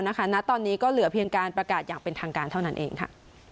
ณตอนนี้ก็เหลือเพียงการประกาศอย่างเป็นทางการเท่านั้นเองค่ะ